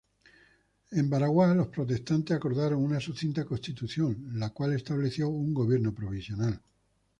En Baraguá los protestantes acordaron una sucinta Constitución, la cual estableció un gobierno provisional.